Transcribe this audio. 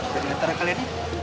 dari antara kalian nih